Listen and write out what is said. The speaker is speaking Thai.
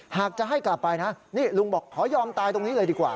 หากจะให้กลับไปนะนี่ลุงบอกขอยอมตายตรงนี้เลยดีกว่า